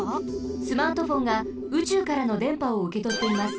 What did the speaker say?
スマートフォンがうちゅうからのでんぱをうけとっています。